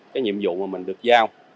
cái nhiệm vụ mà mình được giao